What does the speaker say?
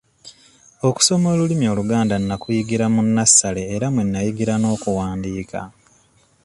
Okusoma olulimi Oluganda nakuyigira mu nassale era mwe nnayigira n'okuwandiika